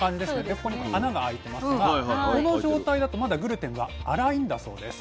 ここに穴が開いてますがこの状態だとまだグルテンは粗いんだそうです。